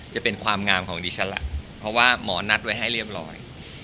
จะเป็นความงามของดิฉันล่ะเพราะว่าหมอนัดไว้ให้เรียบร้อย